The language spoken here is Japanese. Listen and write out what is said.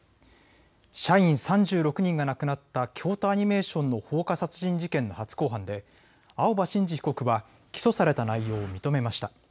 社員３６人が亡くなった京都アニメーションの放火殺人事件の初公判で青葉真司被告は起訴された内容を認めました。